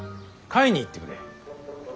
甲斐に行ってくれ。